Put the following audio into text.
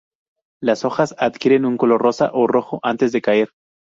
Las hojas adquieren un color rosa o rojo antes de caer.